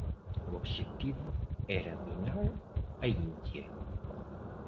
O objetivo era minar a Índia